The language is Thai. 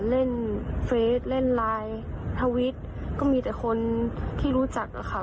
เล่นเฟสเล่นไลน์ทวิตก็มีแต่คนที่รู้จักอะค่ะ